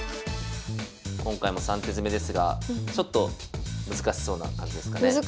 今回も３手詰ですがちょっと難しそうな感じですかね。